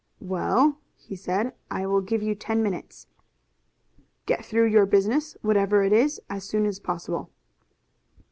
"Well," he said, "I will give you ten minutes. Get through your business, whatever it is, as soon as possible."